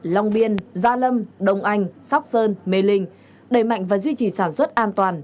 long biên gia lâm đông anh sóc sơn mê linh đẩy mạnh và duy trì sản xuất an toàn